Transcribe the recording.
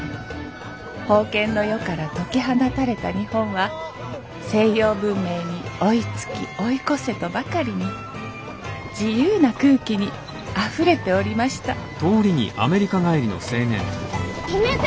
封建の世から解き放たれた日本は西洋文明に追いつき追い越せとばかりに自由な空気にあふれておりました・止めて。